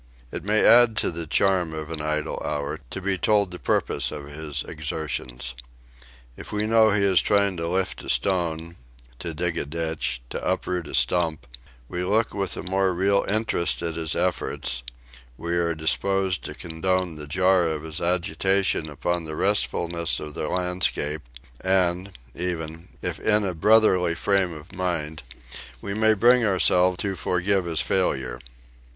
It may add to the charm of an idle hour to be told the purpose of his exertions. If we know he is trying to lift a stone, to dig a ditch, to uproot a stump, we look with a more real interest at his efforts; we are disposed to condone the jar of his agitation upon the restfulness of the landscape; and even, if in a brotherly frame of mind, we may bring ourselves to forgive his failure.